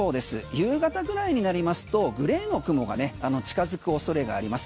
夕方ぐらいになりますとグレーの雲が近付く恐れがあります。